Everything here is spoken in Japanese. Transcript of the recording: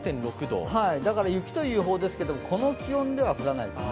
だから雪という予報ですけれどもこの気温では降らないですね。